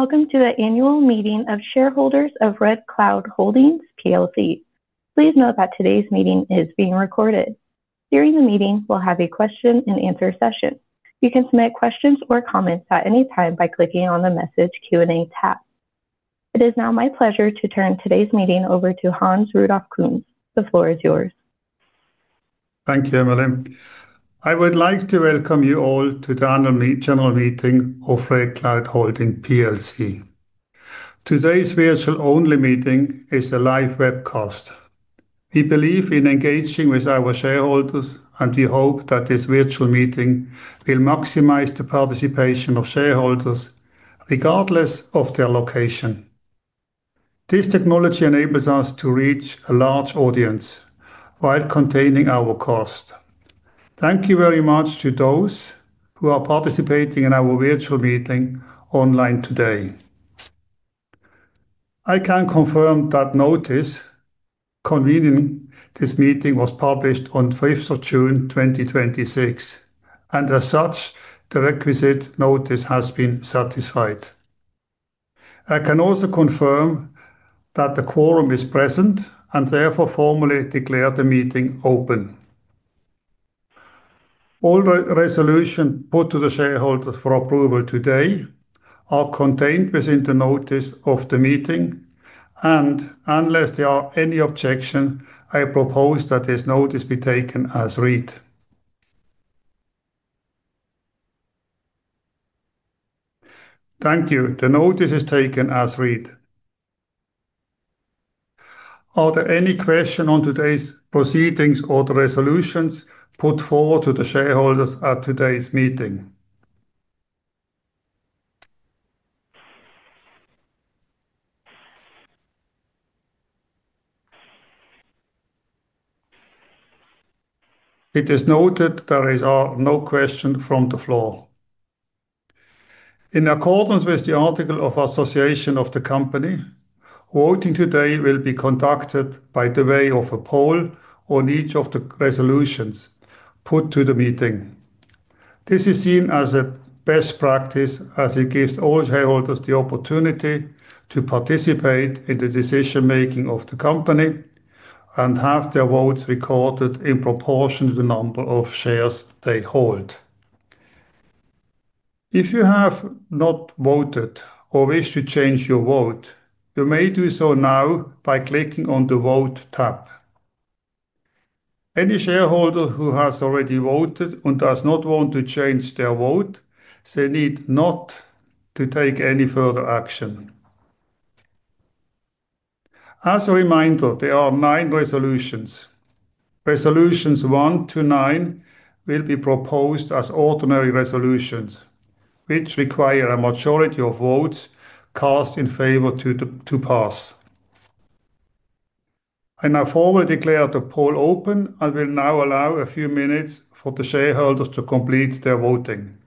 Hello, and welcome to the annual meeting of shareholders of RedCloud Holdings plc. Please note that today's meeting is being recorded. During the meeting, we'll have a question and answer session. You can submit questions or comments at any time by clicking on the Message Q&A tab. It is now my pleasure to turn today's meeting over to Hans Rudolf Kunz. The floor is yours. Thank you, Emily. I would like to welcome you all to the annual general meeting of RedCloud Holdings plc. Today's virtual-only meeting is a live webcast. We believe in engaging with our shareholders. We hope that this virtual meeting will maximize the participation of shareholders regardless of their location. This technology enables us to reach a large audience while containing our cost. Thank you very much to those who are participating in our virtual meeting online today. I can confirm that notice convening this meeting was published on the 5th of June, 2026. As such, the requisite notice has been satisfied. I can also confirm that the quorum is present. Therefore formally declare the meeting open. All resolutions put to the shareholders for approval today are contained within the notice of the meeting. Unless there are any objections, I propose that this notice be taken as read. Thank you. The notice is taken as read. Are there any questions on today's proceedings or the resolutions put forward to the shareholders at today's meeting? It is noted there are no questions from the floor. In accordance with the Articles of Association of the company, voting today will be conducted by the way of a poll on each of the resolutions put to the meeting. This is seen as a best practice as it gives all shareholders the opportunity to participate in the decision-making of the company and have their votes recorded in proportion to the number of shares they hold. If you have not voted or wish to change your vote, you may do so now by clicking on the Vote tab. Any shareholder who has already voted and does not want to change their vote, they need not to take any further action. As a reminder, there are nine resolutions. Resolutions one to nine will be proposed as ordinary resolutions, which require a majority of votes cast in favor to pass. I now formally declare the poll open. Will now allow a few minutes for the shareholders to complete their voting.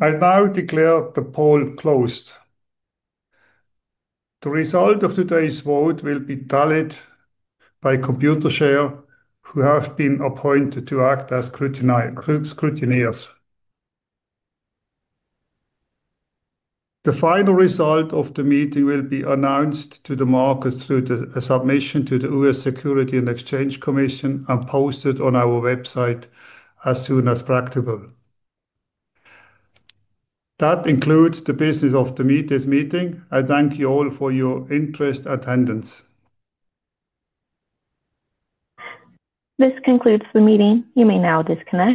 I now declare the poll closed. The result of today's vote will be tallied by Computershare, who have been appointed to act as scrutineers. The final result of the meeting will be announced to the market through the submission to the U.S. Securities and Exchange Commission and posted on our website as soon as practicable. That concludes the business of this meeting. I thank you all for your interest and attendance. This concludes the meeting. You may now disconnect.